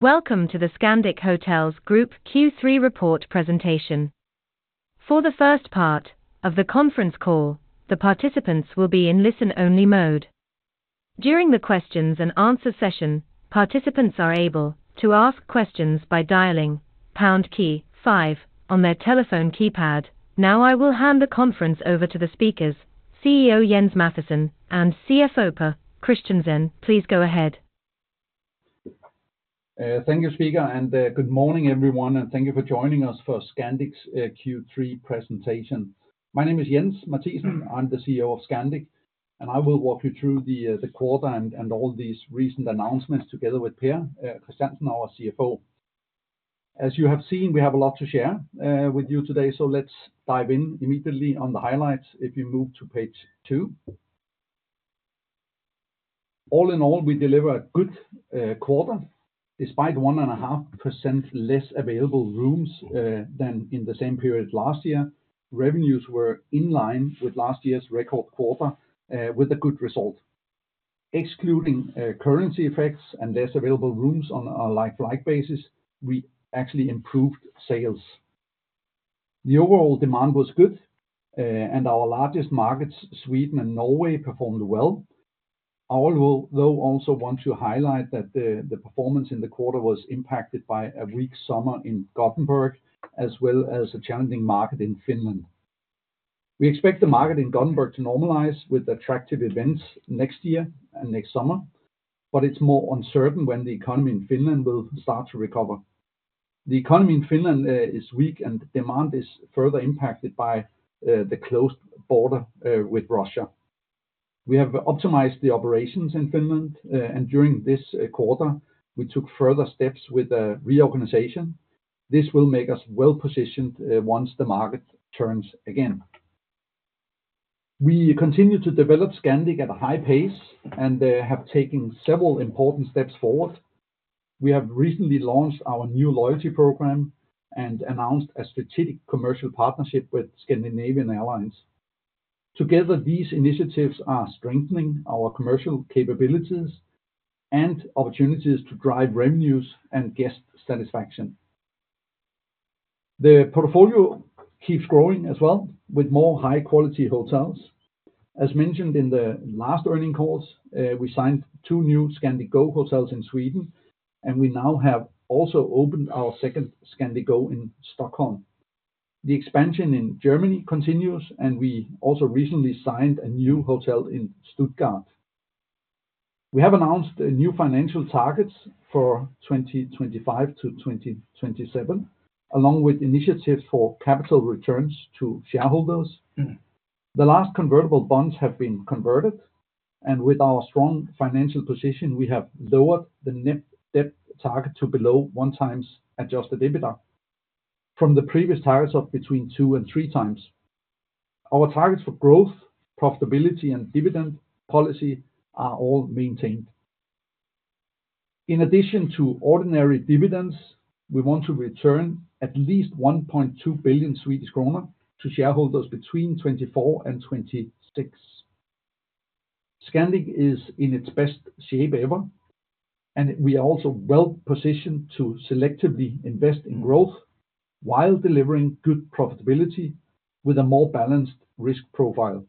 Welcome to the Scandic Hotels Group Q3 Report Presentation. For the first part of the conference call, the participants will be in listen-only mode. During the Q&A session, participants are able to ask questions by dialing #5 on their telephone keypad. Now I will hand the conference over to the speakers, CEO Jens Mathiesen, and CFO Per Kristiansen. Please go ahead. Thank you, Speaker, and good morning, everyone, and thank you for joining us for Scandic's Q3 presentation. My name is Jens Mathiesen. I'm the CEO of Scandic, and I will walk you through the quarter and all these recent announcements together with Per Kristiansen, our CFO. As you have seen, we have a lot to share with you today, so let's dive in immediately on the highlights if you move to page two. All in all, we deliver a good quarter despite 1.5% less available rooms than in the same period last year. Revenues were in line with last year's record quarter, with a good result. Excluding currency effects and less available rooms on a like-for-like basis, we actually improved sales. The overall demand was good, and our largest markets, Sweden and Norway, performed well. I also want to highlight that the performance in the quarter was impacted by a weak summer in Gothenburg, as well as a challenging market in Finland. We expect the market in Gothenburg to normalize with attractive events next year and next summer, but it's more uncertain when the economy in Finland will start to recover. The economy in Finland is weak, and demand is further impacted by the closed border with Russia. We have optimized the operations in Finland, and during this quarter, we took further steps with the reorganization. This will make us well-positioned once the market turns again. We continue to develop Scandic at a high pace and have taken several important steps forward. We have recently launched our new loyalty program and announced a strategic commercial partnership with Scandinavian Airlines. Together, these initiatives are strengthening our commercial capabilities and opportunities to drive revenues and guest satisfaction. The portfolio keeps growing as well, with more high-quality hotels. As mentioned in the last earnings calls, we signed two new Scandic Go hotels in Sweden, and we now have also opened our second Scandic Go in Stockholm. The expansion in Germany continues, and we also recently signed a new hotel in Stuttgart. We have announced new financial targets for 2025 to 2027, along with initiatives for capital returns to shareholders. The last convertible bonds have been converted, and with our strong financial position, we have lowered the net debt target to below one times adjusted EBITDA from the previous targets of between two and three times. Our targets for growth, profitability, and dividend policy are all maintained. In addition to ordinary dividends, we want to return at least 1.2 billion Swedish kronor to shareholders between 2024 and 2026. Scandic is in its best shape ever, and we are also well-positioned to selectively invest in growth while delivering good profitability with a more balanced risk profile.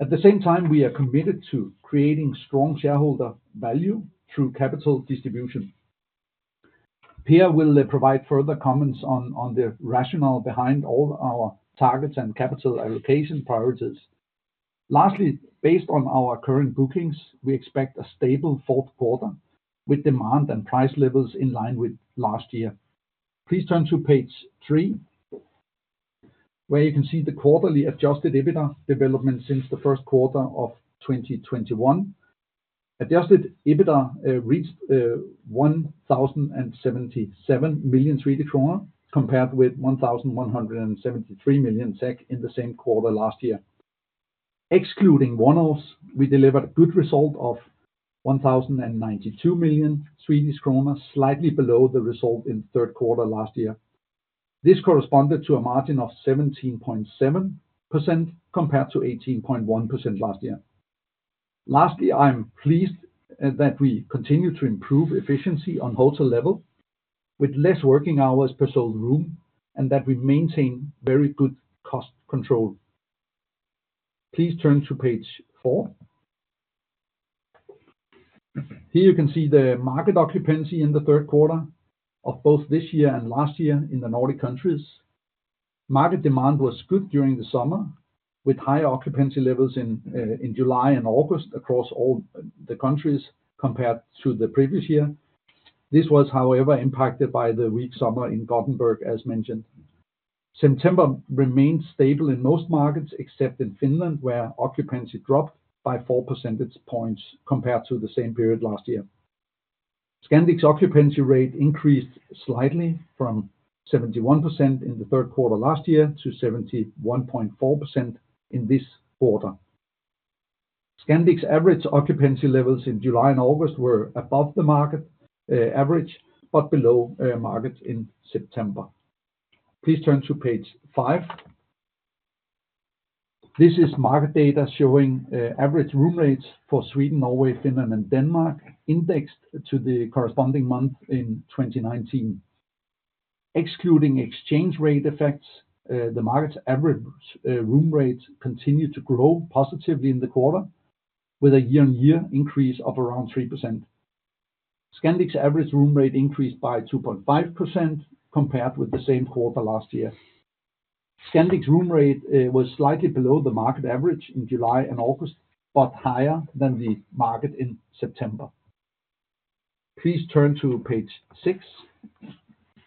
At the same time, we are committed to creating strong shareholder value through capital distribution. Per will provide further comments on the rationale behind all our targets and capital allocation priorities. Lastly, based on our current bookings, we expect a stable fourth quarter with demand and price levels in line with last year. Please turn to page three, where you can see the quarterly adjusted EBITDA development since the first quarter of 2021. Adjusted EBITDA reached 1,077 million Swedish kronor compared with 1,173 million SEK in the same quarter last year. Excluding one-offs, we delivered a good result of 1,092 million Swedish kronor, slightly below the result in the third quarter last year. This corresponded to a margin of 17.7% compared to 18.1% last year. Lastly, I'm pleased that we continue to improve efficiency on hotel level with less working hours per sold room and that we maintain very good cost control. Please turn to page four. Here you can see the market occupancy in the third quarter of both this year and last year in the Nordic countries. Market demand was good during the summer, with higher occupancy levels in July and August across all the countries compared to the previous year. This was, however, impacted by the weak summer in Gothenburg, as mentioned. September remained stable in most markets, except in Finland, where occupancy dropped by 4 percentage points compared to the same period last year. Scandic's occupancy rate increased slightly from 71% in the third quarter last year to 71.4% in this quarter. Scandic's average occupancy levels in July and August were above the market average, but below market in September. Please turn to page five. This is market data showing average room rates for Sweden, Norway, Finland, and Denmark indexed to the corresponding month in 2019. Excluding exchange rate effects, the market's average room rate continued to grow positively in the quarter, with a year-on-year increase of around 3%. Scandic's average room rate increased by 2.5% compared with the same quarter last year. Scandic's room rate was slightly below the market average in July and August, but higher than the market in September. Please turn to page six.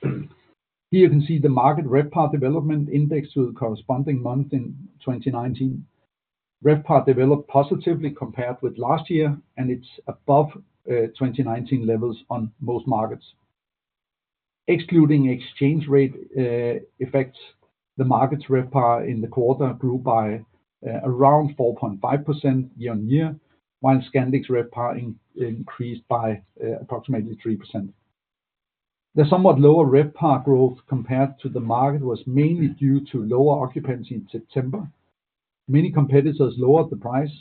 Here you can see the market RevPAR development index to the corresponding month in 2019. RevPAR developed positively compared with last year, and it's above 2019 levels on most markets. Excluding exchange rate effects, the market's RevPAR in the quarter grew by around 4.5% year-on-year, while Scandic's RevPAR increased by approximately 3%. The somewhat lower RevPAR growth compared to the market was mainly due to lower occupancy in September. Many competitors lowered the price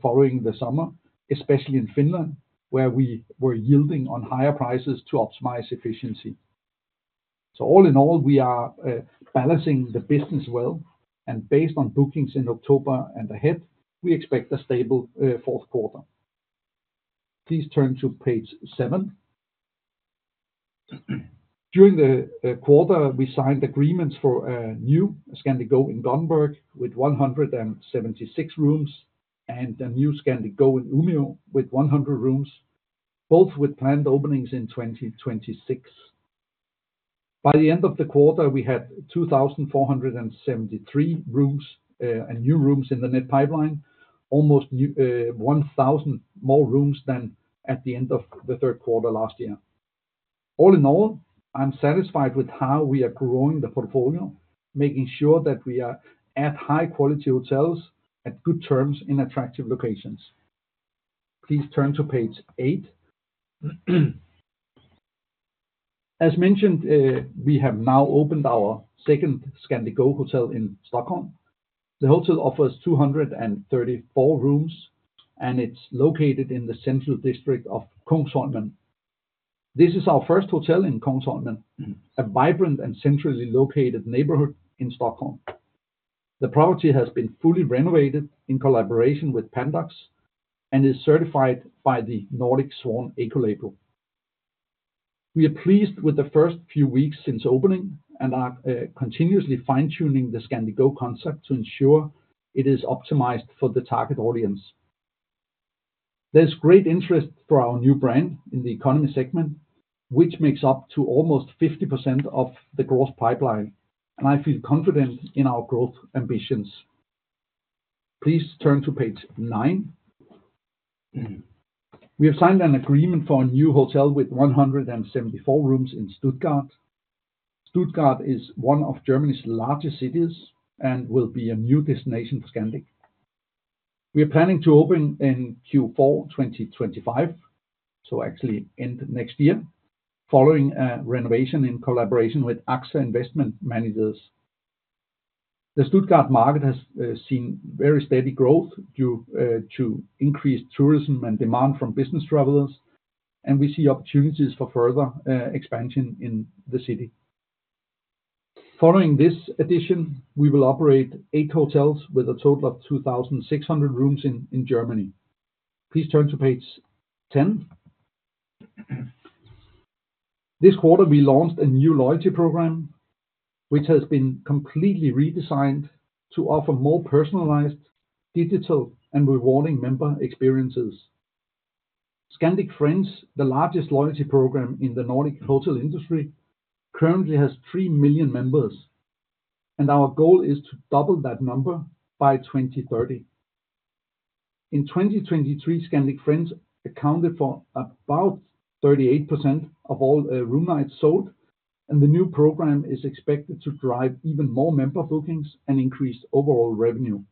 following the summer, especially in Finland, where we were yielding on higher prices to optimize efficiency. So all in all, we are balancing the business well, and based on bookings in October and ahead, we expect a stable fourth quarter. Please turn to page seven. During the quarter, we signed agreements for a new Scandic Go in Gothenburg with 176 rooms and a new Scandic Go in Umeå with 100 rooms, both with planned openings in 2026. By the end of the quarter, we had 2,473 new rooms in the net pipeline, almost 1,000 more rooms than at the end of the third quarter last year. All in all, I'm satisfied with how we are growing the portfolio, making sure that we are at high-quality hotels at good terms in attractive locations. Please turn to page eight. As mentioned, we have now opened our second Scandic Go hotel in Stockholm. The hotel offers 234 rooms, and it's located in the central district of Kungsholmen. This is our first hotel in Kungsholmen, a vibrant and centrally located neighborhood in Stockholm. The property has been fully renovated in collaboration with Pandox and is certified by the Nordic Swan Ecolabel. We are pleased with the first few weeks since opening and are continuously fine-tuning the Scandic Go concept to ensure it is optimized for the target audience. There's great interest for our new brand in the economy segment, which makes up to almost 50% of the gross pipeline, and I feel confident in our growth ambitions. Please turn to page nine. We have signed an agreement for a new hotel with 174 rooms in Stuttgart. Stuttgart is one of Germany's largest cities and will be a new destination for Scandic. We are planning to open in Q4 2025, so actually end next year, following a renovation in collaboration with AXA Investment Managers. The Stuttgart market has seen very steady growth due to increased tourism and demand from business travelers, and we see opportunities for further expansion in the city. Following this addition, we will operate eight hotels with a total of 2,600 rooms in Germany. Please turn to page ten. This quarter, we launched a new loyalty program, which has been completely redesigned to offer more personalized, digital, and rewarding member experiences. Scandic Friends, the largest loyalty program in the Nordic hotel industry, currently has three million members, and our goal is to double that number by 2030. In 2023, Scandic Friends accounted for about 38% of all room nights sold, and the new program is expected to drive even more member bookings and increase overall revenue.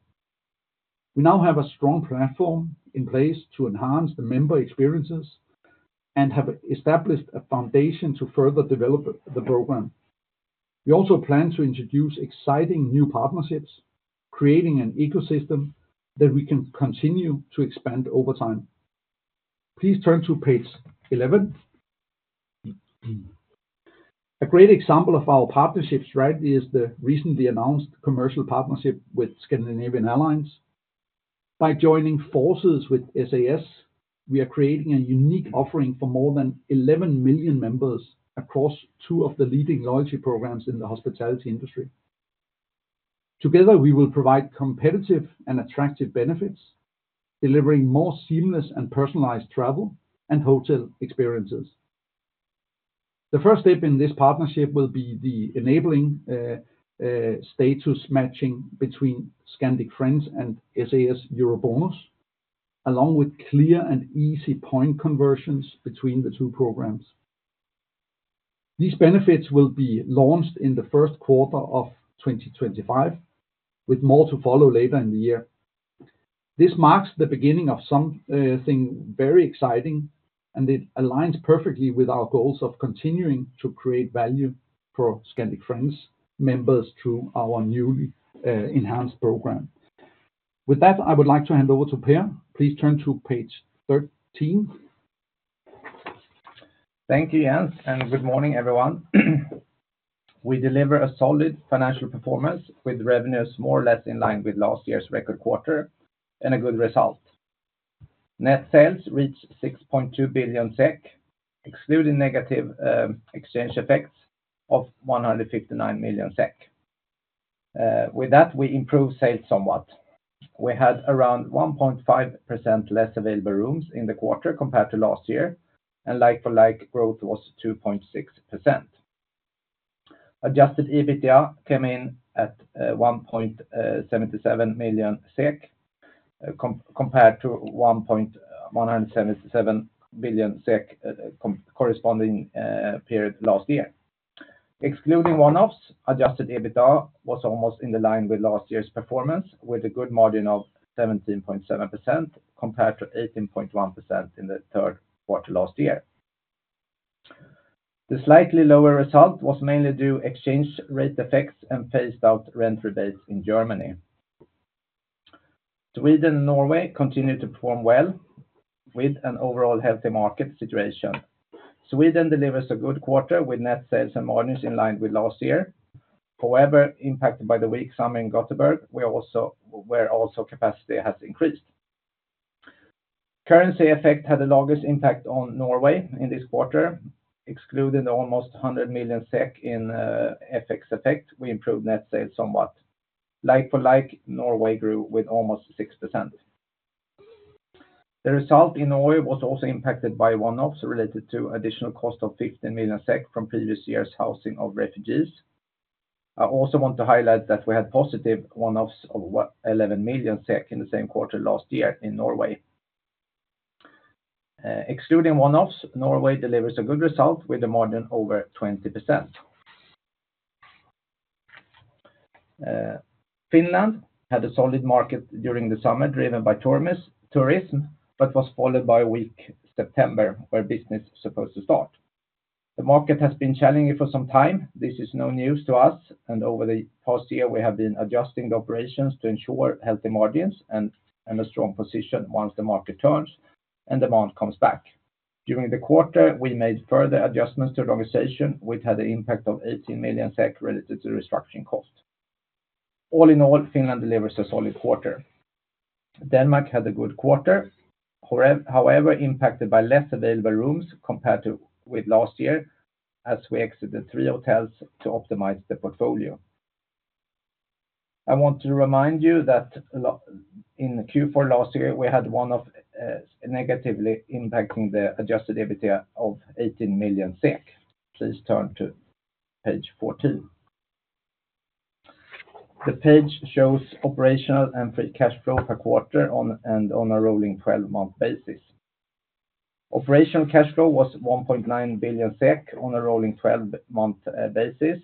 We now have a strong platform in place to enhance the member experiences and have established a foundation to further develop the program. We also plan to introduce exciting new partnerships, creating an ecosystem that we can continue to expand over time. Please turn to page 11. A great example of our partnerships is the recently announced commercial partnership with Scandinavian Airlines. By joining forces with SAS, we are creating a unique offering for more than 11 million members across two of the leading loyalty programs in the hospitality industry. Together, we will provide competitive and attractive benefits, delivering more seamless and personalized travel and hotel experiences. The first step in this partnership will be the enabling status matching between Scandic Friends and SAS EuroBonus, along with clear and easy point conversions between the two programs. These benefits will be launched in the first quarter of 2025, with more to follow later in the year. This marks the beginning of something very exciting, and it aligns perfectly with our goals of continuing to create value for Scandic Friends members through our newly enhanced program. With that, I would like to hand over to Per. Please turn to page 13. Thank you, Jens, and good morning, everyone. We deliver a solid financial performance with revenues more or less in line with last year's record quarter and a good result. Net sales reached 6.2 billion SEK, excluding negative exchange effects of 159 million SEK. With that, we improved sales somewhat. We had around 1.5% less available rooms in the quarter compared to last year, and like-for-like growth was 2.6%. Adjusted EBITDA came in at 1.177 billion SEK compared to 1.77 billion SEK corresponding period last year. Excluding one-offs, adjusted EBITDA was almost in line with last year's performance, with a good margin of 17.7% compared to 18.1% in the third quarter last year. The slightly lower result was mainly due to exchange rate effects and phased-out rent rebates in Germany. Sweden and Norway continue to perform well with an overall healthy market situation. Sweden delivers a good quarter with net sales and margins in line with last year. However, impacted by the weak summer in Gothenburg, where also capacity has increased. Currency effect had the largest impact on Norway in this quarter. Excluding the almost 100 million SEK in FX effect, we improved net sales somewhat. Like-for-like, Norway grew with almost 6%. The result in Norway was also impacted by one-offs related to additional cost of 15 million SEK from previous year's housing of refugees. I also want to highlight that we had positive one-offs of 11 million SEK in the same quarter last year in Norway. Excluding one-offs, Norway delivers a good result with a margin over 20%. Finland had a solid market during the summer driven by tourism, but was followed by a weak September, where business was supposed to start. The market has been challenging for some time. This is no news to us, and over the past year, we have been adjusting the operations to ensure healthy margins and a strong position once the market turns and demand comes back. During the quarter, we made further adjustments to the organization, which had an impact of 18 million SEK related to the restructuring cost. All in all, Finland delivers a solid quarter. Denmark had a good quarter, however, impacted by less available rooms compared to last year, as we exited three hotels to optimize the portfolio. I want to remind you that in Q4 last year, we had one-offs negatively impacting the Adjusted EBITDA of 18 million SEK. Please turn to page 14. The page shows operational and free cash flow per quarter and on a rolling 12-month basis. Operational cash flow was 1.9 billion SEK on a rolling 12-month basis.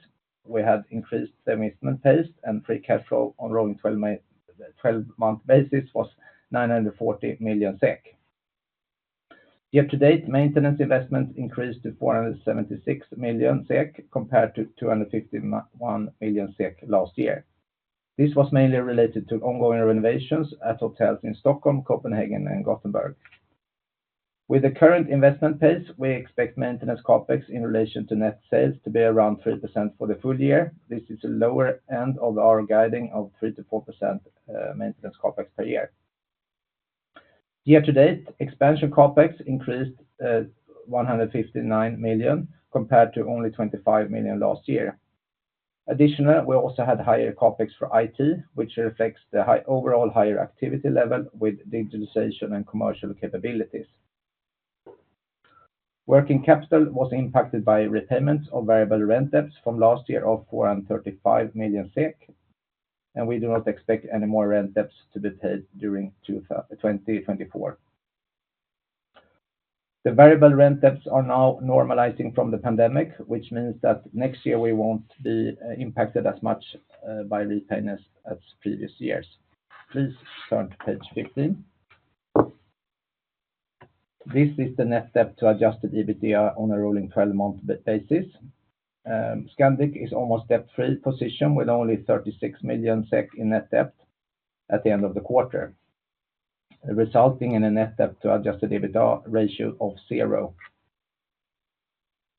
We had increased the investment pace, and free cash flow on a rolling 12-month basis was 940 million SEK. Year-to-date, maintenance investment increased to 476 million SEK compared to 251 million SEK last year. This was mainly related to ongoing renovations at hotels in Stockholm, Copenhagen, and Gothenburg. With the current investment pace, we expect maintenance CapEx in relation to net sales to be around 3% for the full year. This is the lower end of our guidance of 3%-4% maintenance CapEx per year. Year-to-date, expansion CapEx increased 159 million compared to only 25 million last year. Additionally, we also had higher CapEx for IT, which reflects the overall higher activity level with digitalization and commercial capabilities. Working capital was impacted by repayments of variable rent debts from last year of 435 million SEK, and we do not expect any more rent debts to be paid during 2024. The variable rent debts are now normalizing from the pandemic, which means that next year we won't be impacted as much by repayments as previous years. Please turn to page 15. This is the net debt to adjusted EBITDA on a rolling 12-month basis. Scandic's almost debt-free position with only 36 million SEK in net debt at the end of the quarter, resulting in a net debt to adjusted EBITDA ratio of zero.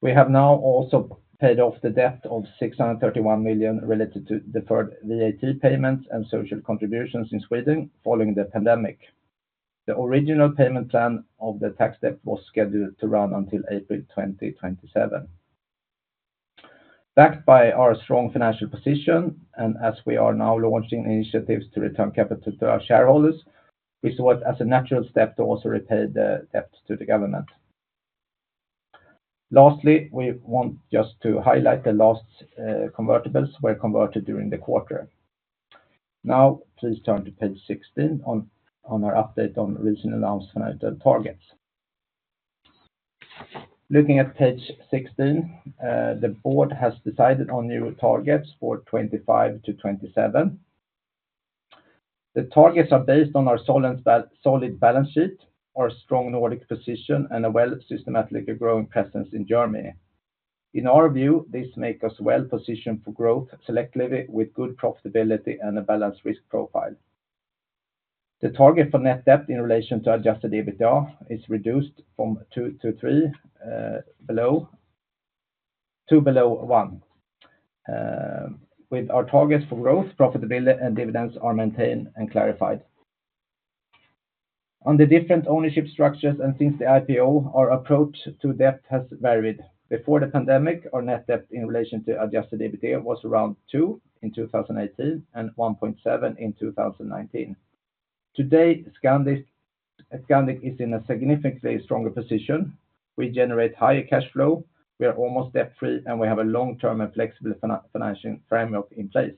We have now also paid off the debt of 631 million related to deferred VAT payments and social contributions in Sweden following the pandemic. The original payment plan of the tax debt was scheduled to run until April 2027. Backed by our strong financial position and as we are now launching initiatives to return capital to our shareholders, we saw it as a natural step to also repay the debt to the government. Lastly, we want just to highlight the last convertibles we converted during the quarter. Now, please turn to page 16 on our update on recent announced financial targets. Looking at page 16, the board has decided on new targets for 2025 to 2027. The targets are based on our solid balance sheet, our strong Nordic position, and a well-systematic growing presence in Germany. In our view, this makes us well-positioned for growth selectively with good profitability and a balanced risk profile. The target for net debt in relation to adjusted EBITDA is reduced from two to three below one. With our targets for growth, profitability, and dividends are maintained and clarified. Under different ownership structures and since the IPO, our approach to debt has varied. Before the pandemic, our net debt in relation to adjusted EBITDA was around two in 2018 and 1.7 in 2019. Today, Scandic is in a significantly stronger position. We generate higher cash flow, we are almost debt-free, and we have a long-term and flexible financial framework in place.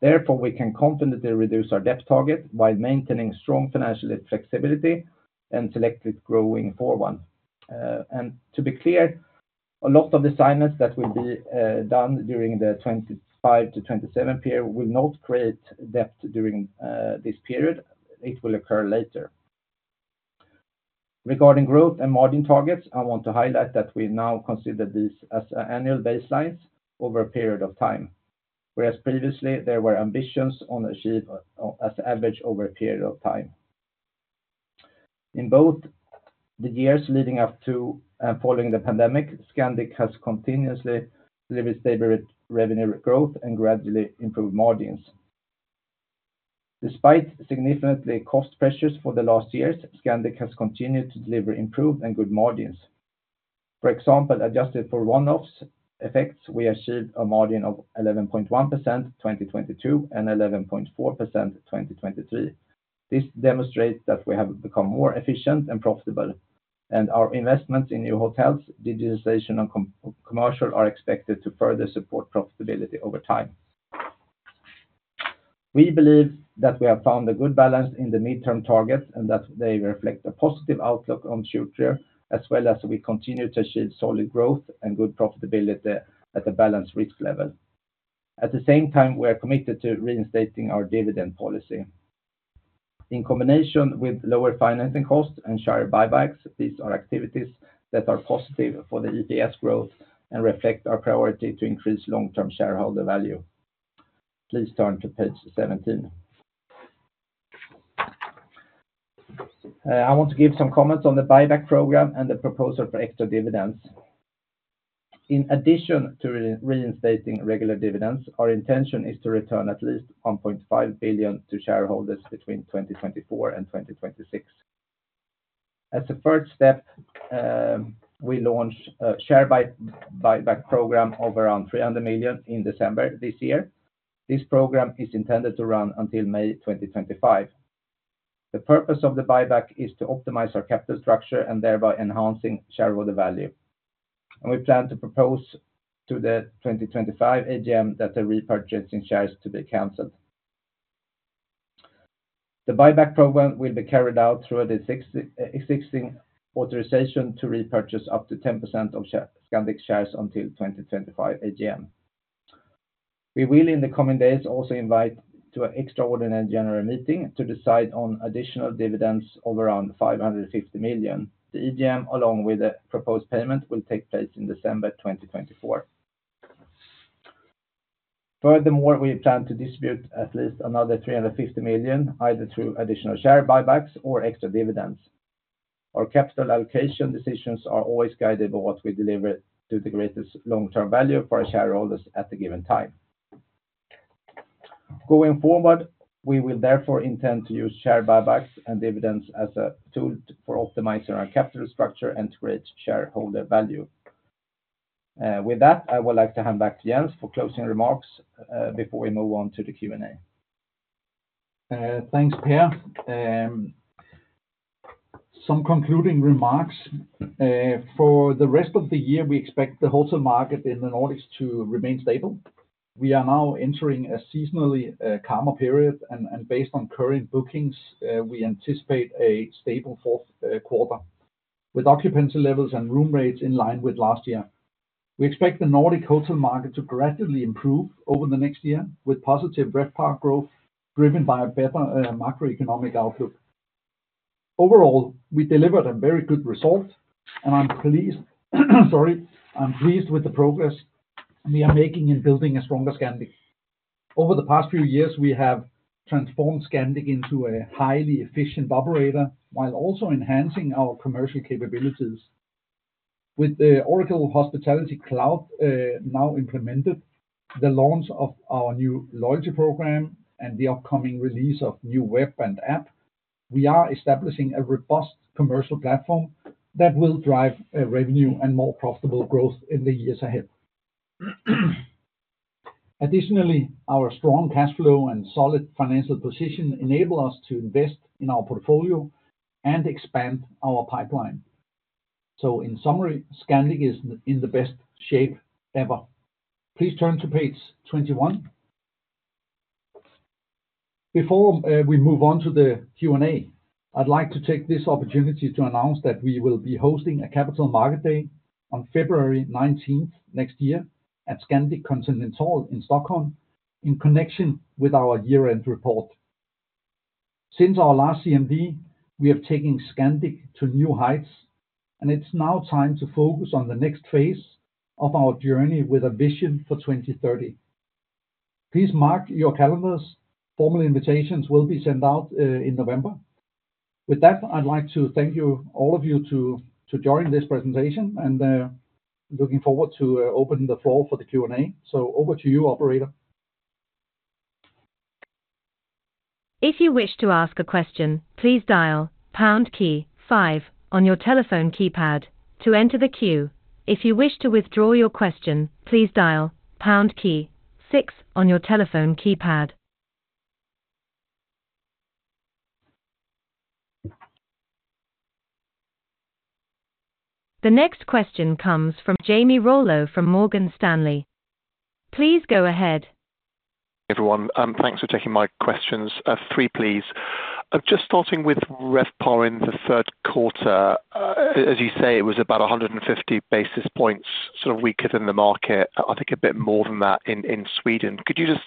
Therefore, we can confidently reduce our debt target while maintaining strong financial flexibility and selectively growing for one. And to be clear, a lot of the signings that will be done during the 2025 to 2027 period will not create debt during this period. It will occur later. Regarding growth and margin targets, I want to highlight that we now consider these as annual baselines over a period of time, whereas previously there were ambitions to be achieved as average over a period of time. In both the years leading up to and following the pandemic, Scandic has continuously delivered stable revenue growth and gradually improved margins. Despite significant cost pressures over the last years, Scandic has continued to deliver improved and good margins. For example, adjusted for one-off effects, we achieved a margin of 11.1% in 2022 and 11.4% in 2023. This demonstrates that we have become more efficient and profitable, and our investments in new hotels, digitalization, and commercial are expected to further support profitability over time. We believe that we have found a good balance in the mid-term targets and that they reflect a positive outlook on the future, as well as we continue to achieve solid growth and good profitability at a balanced risk level. At the same time, we are committed to reinstating our dividend policy. In combination with lower financing costs and share buybacks, these are activities that are positive for the EPS growth and reflect our priority to increase long-term shareholder value. Please turn to page 17. I want to give some comments on the buyback program and the proposal for extra dividends. In addition to reinstating regular dividends, our intention is to return at least 1.5 billion to shareholders between 2024 and 2026. As a first step, we launched a share buyback program of around 300 million in December this year. This program is intended to run until May 2025. The purpose of the buyback is to optimize our capital structure and thereby enhancing shareholder value, and we plan to propose to the 2025 AGM that the repurchasing shares to be canceled. The buyback program will be carried out through the existing authorization to repurchase up to 10% of Scandic shares until 2025 AGM. We will, in the coming days, also invite to an extraordinary general meeting to decide on additional dividends of around 550 million. The EGM, along with the proposed payment, will take place in December 2024. Furthermore, we plan to distribute at least another 350 million, either through additional share buybacks or extra dividends. Our capital allocation decisions are always guided by what we deliver to the greatest long-term value for our shareholders at the given time. Going forward, we will therefore intend to use share buybacks and dividends as a tool for optimizing our capital structure and to create shareholder value. With that, I would like to hand back to Jens for closing remarks before we move on to the Q&A. Thanks, Per. Some concluding remarks. For the rest of the year, we expect the hotel market in the Nordics to remain stable. We are now entering a seasonally calmer period, and based on current bookings, we anticipate a stable fourth quarter with occupancy levels and room rates in line with last year. We expect the Nordic hotel market to gradually improve over the next year with positive RevPAR growth driven by a better macroeconomic outlook. Overall, we delivered a very good result, and I'm pleased with the progress we are making in building a stronger Scandic. Over the past few years, we have transformed Scandic into a highly efficient operator while also enhancing our commercial capabilities. With the Oracle Hospitality Cloud now implemented, the launch of our new loyalty program, and the upcoming release of new web and app, we are establishing a robust commercial platform that will drive revenue and more profitable growth in the years ahead. Additionally, our strong cash flow and solid financial position enable us to invest in our portfolio and expand our pipeline. So, in summary, Scandic is in the best shape ever. Please turn to page 21. Before we move on to the Q&A, I'd like to take this opportunity to announce that we will be hosting a Capital Market Day on February 19 next year at Scandic Continental in Stockholm in connection with our year-end report. Since our last CMD, we have taken Scandic to new heights, and it's now time to focus on the next phase of our journey with a vision for 2030. Please mark your calendars. Formal invitations will be sent out in November. With that, I'd like to thank all of you for joining this presentation and looking forward to opening the floor for the Q&A. So, over to you, Operator. If you wish to ask a question, please dial #5 on your telephone keypad to enter the queue. If you wish to withdraw your question, please dial #6 on your telephone keypad. The next question comes from Jamie Rollo from Morgan Stanley. Please go ahead. Everyone, thanks for taking my questions. Three, please. Just starting with rev power in the third quarter, as you say, it was about 150 basis points sort of weaker than the market. I think a bit more than that in Sweden. Could you just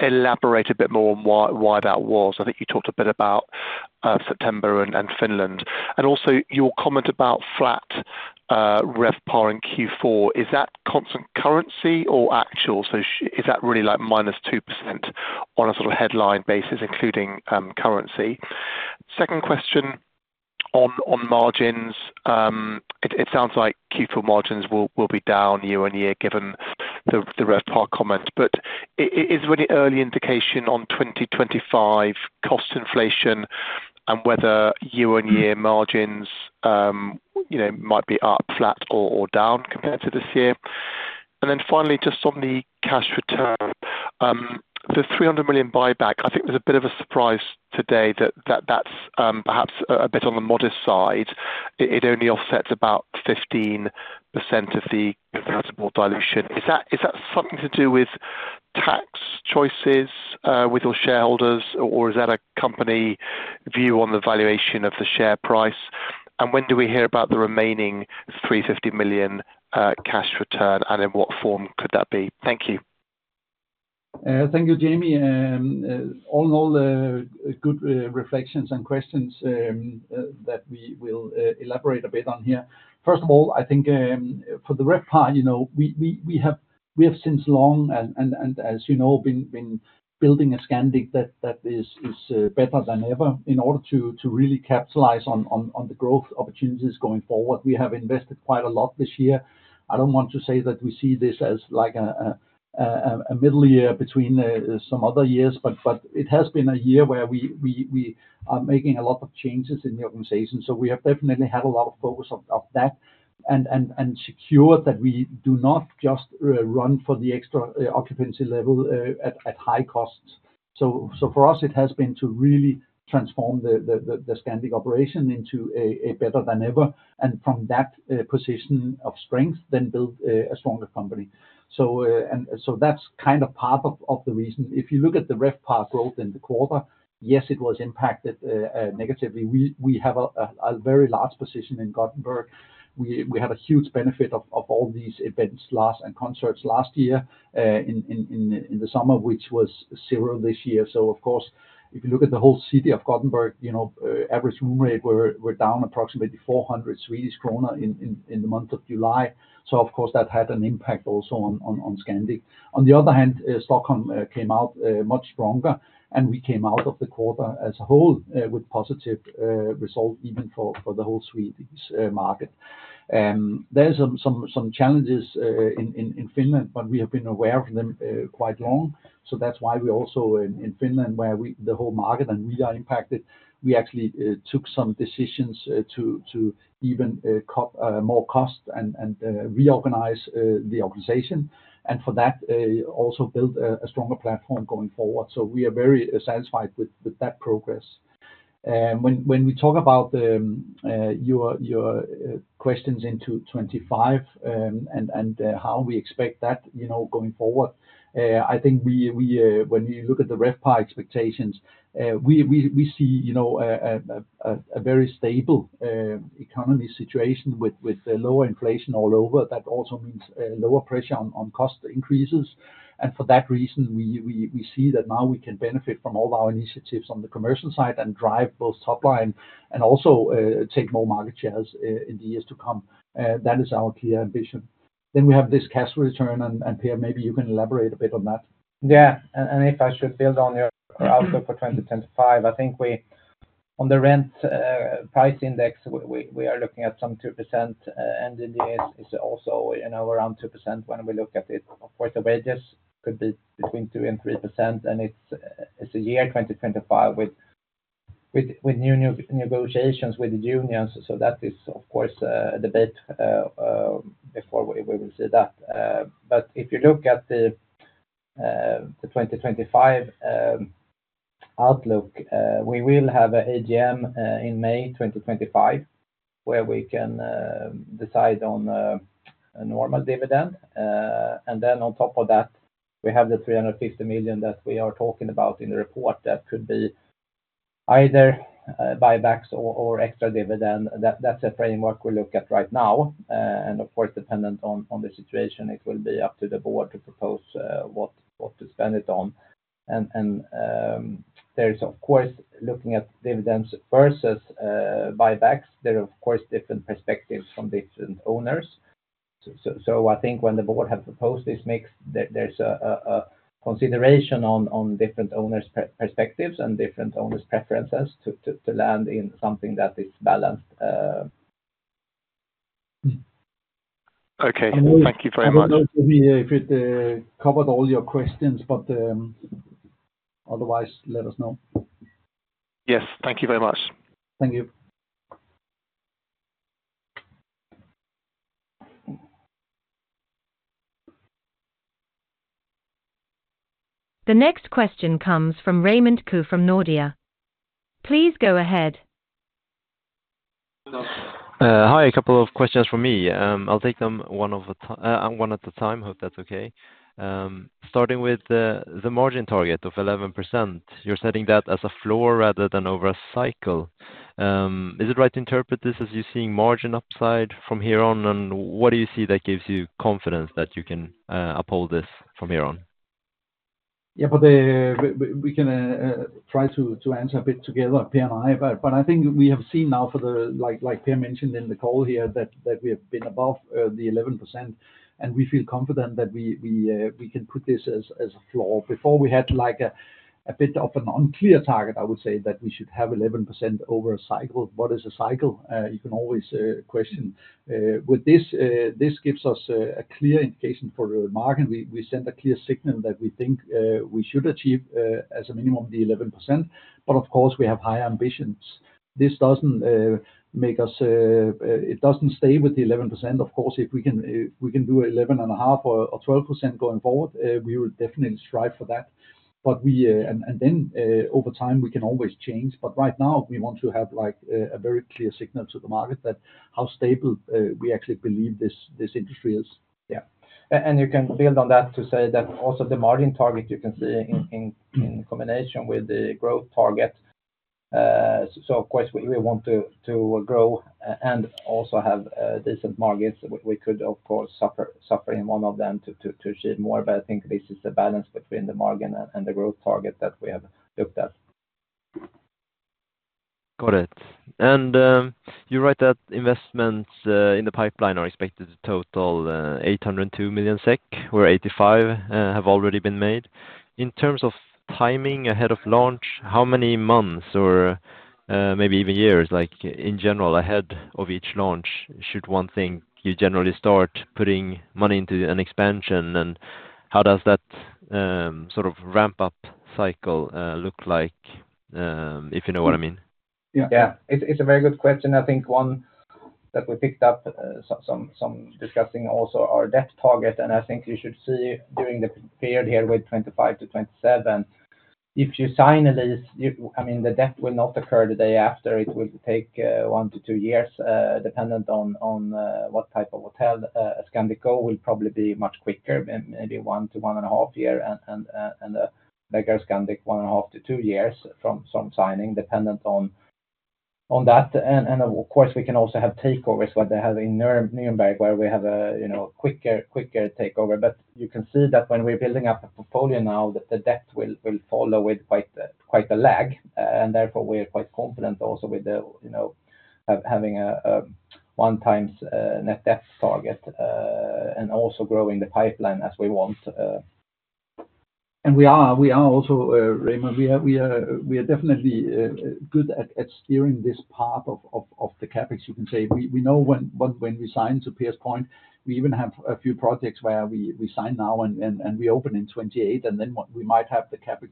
elaborate a bit more on why that was? I think you talked a bit about September and Finland. And also, your comment about flat rev power in Q4, is that constant currency or actual? So, is that really like minus 2% on a sort of headline basis, including currency? Second question on margins. It sounds like Q4 margins will be down year on year given the RevPAR comment. But is there any early indication on 2025 cost inflation and whether year-on-year margins might be up, flat, or down compared to this year? And then finally, just on the cash return, the 300 million buyback, I think there's a bit of a surprise today that that's perhaps a bit on the modest side. It only offsets about 15% of the comparable dilution. Is that something to do with tax choices with your shareholders, or is that a company view on the valuation of the share price? And when do we hear about the remaining 350 million cash return, and in what form could that be? Thank you. Thank you, Jamie. All in all, good reflections and questions that we will elaborate a bit on here. First of all, I think for the RevPAR, we have since long, and as you know, been building a Scandic that is better than ever in order to really capitalize on the growth opportunities going forward. We have invested quite a lot this year. I don't want to say that we see this as like a middle year between some other years, but it has been a year where we are making a lot of changes in the organization. So, we have definitely had a lot of focus on that and secured that we do not just run for the extra occupancy level at high costs. So, for us, it has been to really transform the Scandic operation into a better than ever, and from that position of strength, then build a stronger company. So, that's kind of part of the reason. If you look at the RevPAR growth in the quarter, yes, it was impacted negatively. We have a very large position in Gothenburg. We had a huge benefit of all these festivals and concerts last year in the summer, which was zero this year. So, of course, if you look at the whole city of Gothenburg, average room rate were down approximately 400 Swedish krona in the month of July. So, of course, that had an impact also on Scandic. On the other hand, Stockholm came out much stronger, and we came out of the quarter as a whole with positive results even for the whole Swedish market. There are some challenges in Finland, but we have been aware of them quite long. So, that's why we also in Finland, where the whole market and we are impacted, we actually took some decisions to even cut more costs and reorganize the organization. And for that, also build a stronger platform going forward. So, we are very satisfied with that progress. When we talk about your questions into 2025 and how we expect that going forward, I think when you look at the RevPAR expectations, we see a very stable economy situation with lower inflation all over. That also means lower pressure on cost increases. And for that reason, we see that now we can benefit from all our initiatives on the commercial side and drive both top line and also take more market shares in the years to come. That is our clear ambition. Then we have this cash return, and Per, maybe you can elaborate a bit on that. Yeah. If I should build on your outlook for 2025, I think on the rent price index, we are looking at some 2%, and it is also around 2% when we look at it. Of course, the wages could be between 2% and 3%, and it's a year 2025 with new negotiations with the unions. So, that is, of course, a debate before we will see that. But if you look at the 2025 outlook, we will have an AGM in May 2025 where we can decide on a normal dividend. And then on top of that, we have the 350 million that we are talking about in the report that could be either buybacks or extra dividend. That's a framework we look at right now. And of course, dependent on the situation, it will be up to the board to propose what to spend it on. And there is, of course, looking at dividends versus buybacks. There are, of course, different perspectives from different owners. So, I think when the board has proposed this mix, there's a consideration on different owners' perspectives and different owners' preferences to land in something that is balanced. Okay. Thank you very much. I don't know if it covered all your questions, but otherwise, let us know. Yes. Thank you very much. Thank you. The next question comes from Ramon Ku from Nordea. Please go ahead. Hi. A couple of questions for me. I'll take them one at a time. Hope that's okay. Starting with the margin target of 11%, you're setting that as a floor rather than over a cycle. Is it right to interpret this as you seeing margin upside from here on? What do you see that gives you confidence that you can uphold this from here on? Yeah, but we can try to answer a bit together, Per and I. But I think we have seen now, like Per mentioned in the call here, that we have been above the 11%, and we feel confident that we can put this as a floor. Before, we had a bit of an unclear target, I would say, that we should have 11% over a cycle. What is a cycle? You can always question. With this, this gives us a clear indication for the market. We sent a clear signal that we think we should achieve as a minimum the 11%. But of course, we have higher ambitions. This doesn't make us it doesn't stay with the 11%. Of course, if we can do 11.5% or 12% going forward, we will definitely strive for that. And then, over time, we can always change. But right now, we want to have a very clear signal to the market that how stable we actually believe this industry is. Yeah. And you can build on that to say that also the margin target you can see in combination with the growth target. So, of course, we want to grow and also have decent margins. We could, of course, suffer in one of them to achieve more, but I think this is the balance between the margin and the growth target that we have looked at. Got it. And you write that investments in the pipeline are expected to total 802 million SEK, where 85 have already been made. In terms of timing ahead of launch, how many months or maybe even years, in general, ahead of each launch should one think you generally start putting money into an expansion? And how does that sort of ramp-up cycle look like, if you know what I mean? Yeah. It's a very good question. I think one that we picked up some discussing also our debt target. And I think you should see during the period here with 2025 to 2027, if you sign a lease, I mean, the debt will not occur the day after. It will take one to two years, dependent on what type of hotel. Scandic will probably be much quicker, maybe one to one and a half year, and the bigger Scandic, one and a half to two years from signing, dependent on that. And of course, we can also have takeovers where they have in Nürnberg, where we have a quicker takeover. But you can see that when we're building up a portfolio now, the debt will follow with quite a lag. And therefore, we are quite confident also with having a one-time net debt target and also growing the pipeline as we want. And we are also, Ramon, we are definitely good at steering this path of the CapEx, you can say. We know when we sign to Per's point, we even have a few projects where we sign now and we open in 2028, and then we might have the CapEx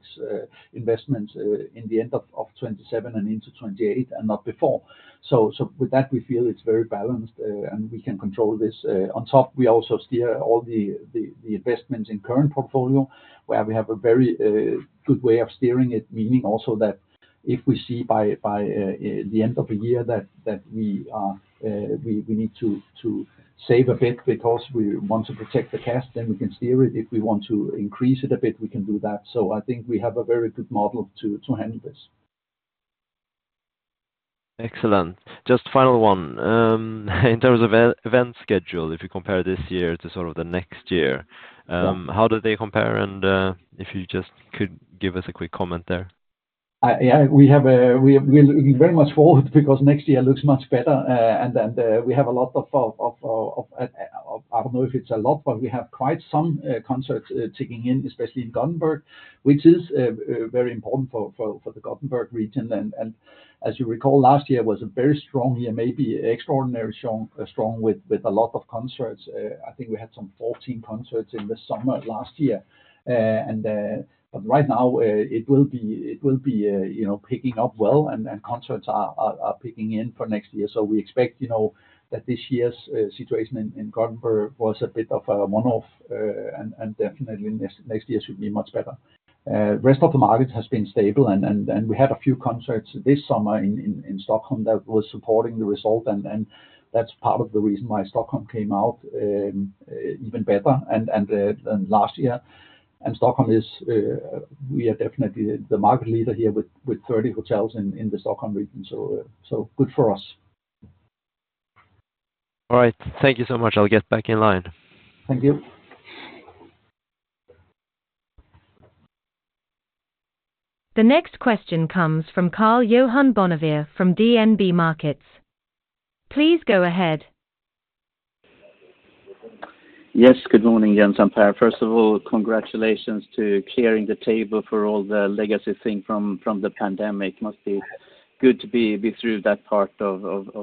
investments in the end of 2027 and into 2028 and not before. So, with that, we feel it's very balanced, and we can control this. On top, we also steer all the investments in current portfolio, where we have a very good way of steering it, meaning also that if we see by the end of the year that we need to save a bit because we want to protect the cash, then we can steer it. If we want to increase it a bit, we can do that. So, I think we have a very good model to handle this. Excellent. Just final one. In terms of event schedule, if you compare this year to sort of the next year, how do they compare? And if you just could give us a quick comment there. Yeah, we're very much forward because next year looks much better. And we have a lot of, I don't know if it's a lot, but we have quite some concerts ticking in, especially in Gothenburg, which is very important for the Gothenburg region. And as you recall, last year was a very strong year, maybe extraordinarily strong with a lot of concerts. I think we had some 14 concerts in the summer last year. But right now, it will be picking up well, and concerts are picking in for next year. So, we expect that this year's situation in Gothenburg was a bit of a one-off, and definitely next year should be much better. The rest of the market has been stable, and we had a few concerts this summer in Stockholm that were supporting the result. And that's part of the reason why Stockholm came out even better than last year. Stockholm is—we are definitely the market leader here with 30 hotels in the Stockholm region. So, good for us. All right. Thank you so much. I'll get back in line. Thank you. The next question comes from Karl-Johan Bonnevier from DNB Markets. Please go ahead. Yes. Good morning, Jens and Per. First of all, congratulations to clearing the table for all the legacy thing from the pandemic. Must be good to be through that part of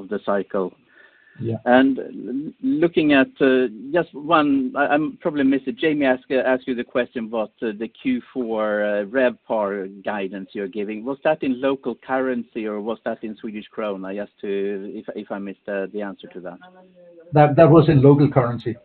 the cycle. And looking at just one—I probably missed it. Jamie, I asked you the question about the Q4 RevPAR guidance you're giving. Was that in local currency, or was that in Swedish krona? If I missed the answer to that. That was in local currency.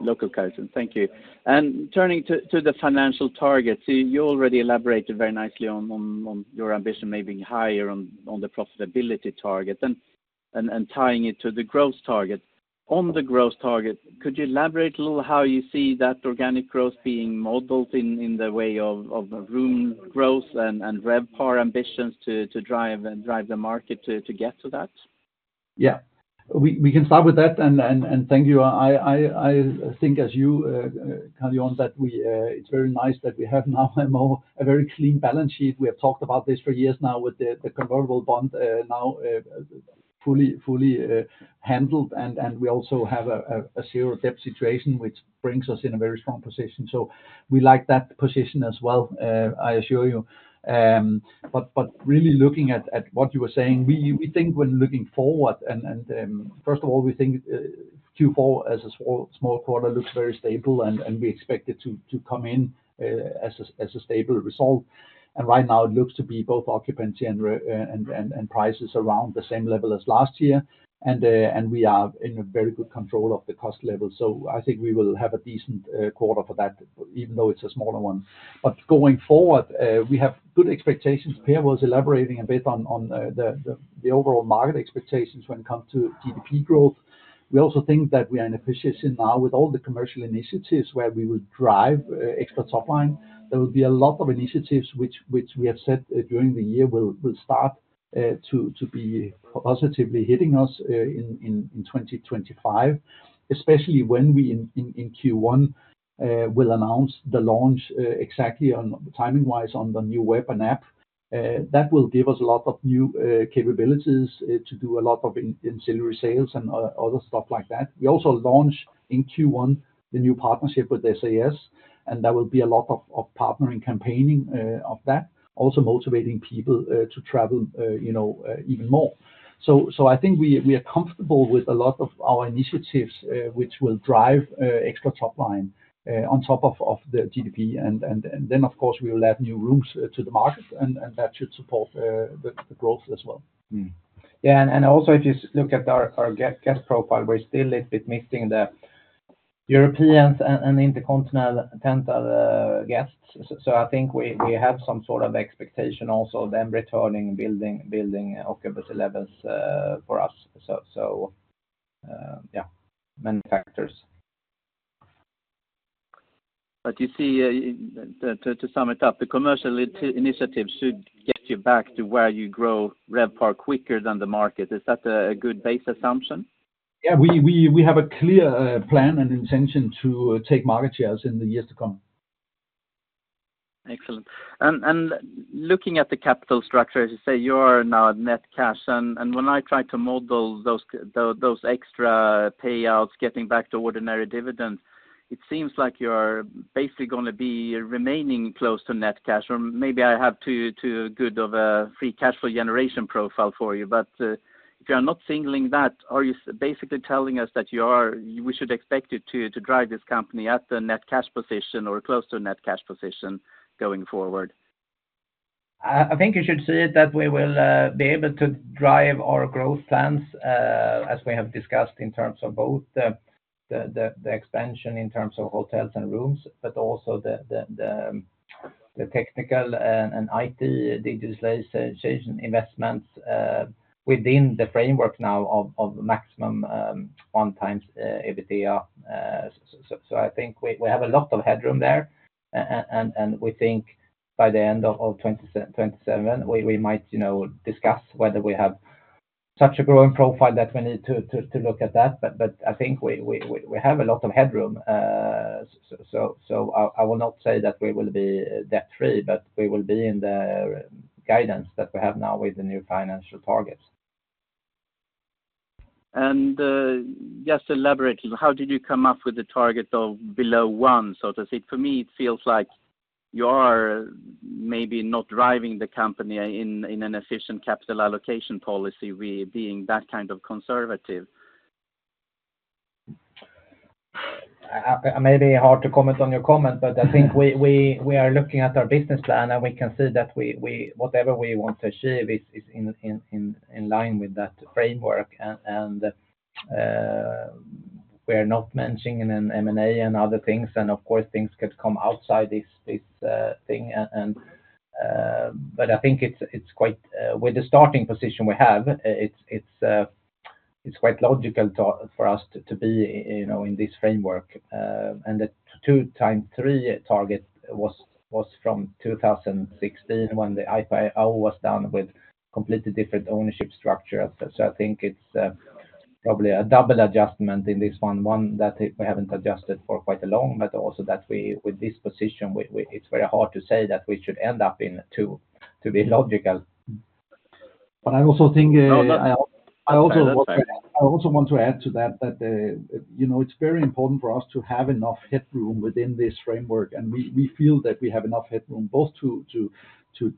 Local currency. Thank you. Turning to the financial targets, you already elaborated very nicely on your ambition maybe higher on the profitability target and tying it to the growth target. On the growth target, could you elaborate a little how you see that organic growth being modeled in the way of room growth and RevPAR ambitions to drive the market to get to that? Yeah. We can start with that, and thank you. I think, as you, Karl-Johan, that it's very nice that we have now a very clean balance sheet. We have talked about this for years now with the convertible bond now fully handled, and we also have a zero debt situation, which brings us in a very strong position. So, we like that position as well, I assure you. But really looking at what you were saying, we think when looking forward, and first of all, we think Q4 as a small quarter looks very stable, and we expect it to come in as a stable result. And right now, it looks to be both occupancy and prices around the same level as last year, and we are in very good control of the cost level. So, I think we will have a decent quarter for that, even though it's a smaller one. But going forward, we have good expectations. Per was elaborating a bit on the overall market expectations when it comes to GDP growth. We also think that we are in a position now with all the commercial initiatives where we will drive extra top line. There will be a lot of initiatives which we have said during the year will start to be positively hitting us in 2025, especially when we in Q1 will announce the launch exactly timing-wise on the new web and app. That will give us a lot of new capabilities to do a lot of ancillary sales and other stuff like that. We also launched in Q1 the new partnership with SAS, and there will be a lot of partnering campaigning of that, also motivating people to travel even more. So, I think we are comfortable with a lot of our initiatives which will drive extra top line on top of the GDP, and then, of course, we will add new rooms to the market, and that should support the growth as well. Yeah. And also, if you look at our guest profile, we're still a little bit missing the Europeans and intercontinental guests. So, I think we have some sort of expectation also of them returning, building occupancy levels for us. So, yeah, many factors. But you see, to sum it up, the commercial initiatives should get you back to where you grow RevPAR quicker than the market. Is that a good base assumption? Yeah. We have a clear plan and intention to take market shares in the years to come. Excellent. And looking at the capital structure, as you say, you are now net cash. And when I try to model those extra payouts getting back to ordinary dividends, it seems like you're basically going to be remaining close to net cash. Or maybe I have too good of a free cash flow generation profile for you. If you are not signaling that, are you basically telling us that we should expect you to drive this company at the net cash position or close to net cash position going forward? I think you should see it that we will be able to drive our growth plans as we have discussed in terms of both the expansion in terms of hotels and rooms, but also the technical and IT digitalization investments within the framework now of maximum 1x EBITDA. I think we have a lot of headroom there. We think by the end of 2027, we might discuss whether we have such a growing profile that we need to look at that. I think we have a lot of headroom. So, I will not say that we will be debt-free, but we will be in the guidance that we have now with the new financial targets. And just elaborating, how did you come up with the target of below one? So, to see it, for me, it feels like you are maybe not driving the company in an efficient capital allocation policy with being that kind of conservative. Maybe hard to comment on your comment, but I think we are looking at our business plan, and we can see that whatever we want to achieve is in line with that framework. And we are not mentioning an M&A and other things. And of course, things could come outside this thing. But I think it's quite with the starting position we have, it's quite logical for us to be in this framework. The two times three target was from 2016 when the IPO was done with completely different ownership structure. So, I think it's probably a double adjustment in this one, one that we haven't adjusted for quite a long, but also that with this position, it's very hard to say that we should end up in two to be logical. But I also think I want to add to that that it's very important for us to have enough headroom within this framework. We feel that we have enough headroom both to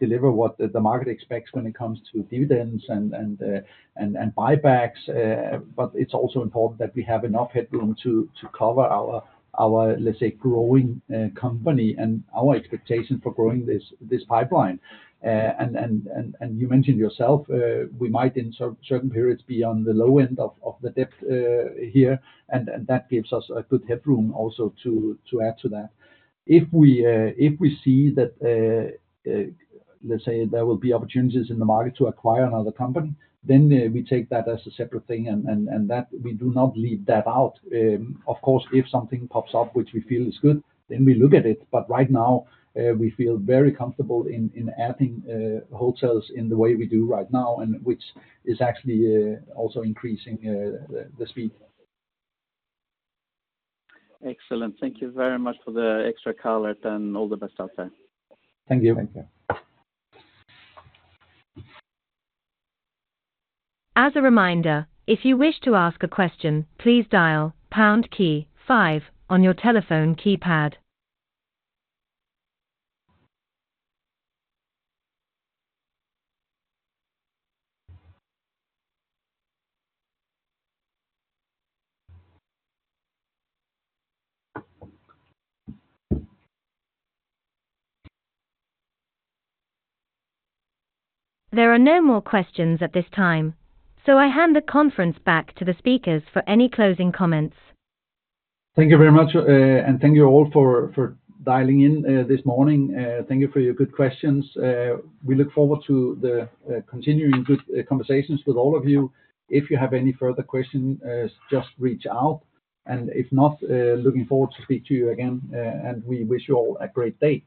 deliver what the market expects when it comes to dividends and buybacks. It's also important that we have enough headroom to cover our, let's say, growing company and our expectation for growing this pipeline. You mentioned yourself, we might in certain periods be on the low end of the debt here. And that gives us a good headroom also to add to that. If we see that, let's say, there will be opportunities in the market to acquire another company, then we take that as a separate thing. And we do not leave that out. Of course, if something pops up which we feel is good, then we look at it. But right now, we feel very comfortable in adding hotels in the way we do right now, which is actually also increasing the speed. Excellent. Thank you very much for the extra caliber and all the best out there. Thank you. Thank you. As a reminder, if you wish to ask a question, please dial pound key five on your telephone keypad. There are no more questions at this time. So, I hand the conference back to the speakers for any closing comments. Thank you very much. Thank you all for dialing in this morning. Thank you for your good questions. We look forward to the continuing good conversations with all of you. If you have any further questions, just reach out. If not, looking forward to speak to you again. We wish you all a great day.